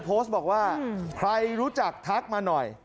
โพสต์บอกว่าใครรู้จักทักมาหน่อย